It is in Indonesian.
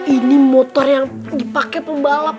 ini motor yang dipakai pembalap